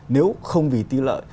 nếu không vì tiêu lợi